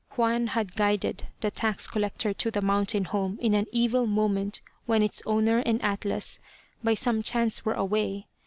Juan had guided the tax collector to the mountain home in an evil moment when its owner and Atlas, by some chance were away.